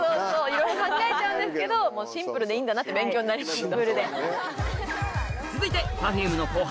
いろいろ考えちゃうんですけどシンプルでいいんだなって勉強になりました。